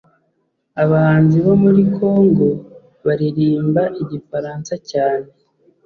Abahanzi bo muri congo baririmba igifaransa cyane